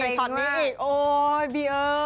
เกรงช็อตนี้อีกโอ้ยบีเอ๋ย